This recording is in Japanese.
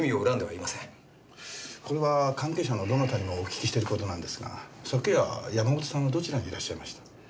これは関係者のどなたにもお聞きしている事なんですが昨夜山本さんはどちらにいらっしゃいました？